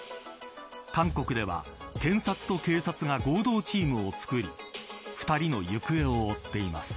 韓国では検察と警察が合同チームを作り２人の行方を追っています。